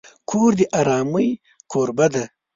کور د آرامۍ کوربه دی.